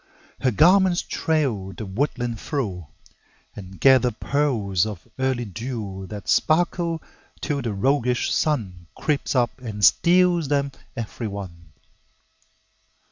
Her garments trail the woodland through, And gather pearls of early dew That sparkle till the roguish Sun Creeps up and steals them every one.